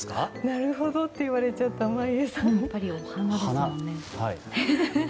なるほどって言われちゃった眞家さんに。